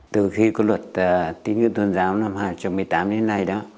từ khi có luật tín ngưỡng tôn giáo năm hai nghìn một mươi tám đến nay đó